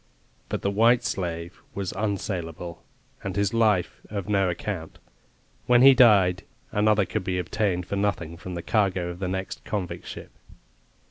But the white slave was unsaleable, and his life of no account. When he died another could be obtained for nothing from the cargo of the next convict ship.